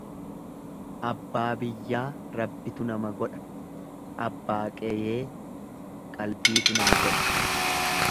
Abbaa biyyaa Rabbitu nama godha, abbaa qeyee qalbiitu nama godha.